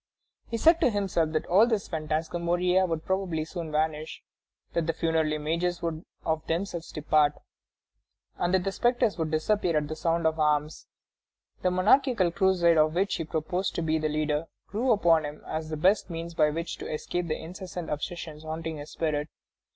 He said to himself that all this phantasmagoria would probably soon vanish; that the funereal images would of themselves depart; and that the spectres would disappear at the sound of arms. The monarchical crusade of which he proposed to be the leader grew upon him as the best means by which to escape the incessant obsessions haunting his spirit.